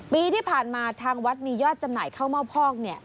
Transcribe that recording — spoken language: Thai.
ปีที่ผ่านมาทางวัดมียอดจำหน่ายข้าวเม่าพอก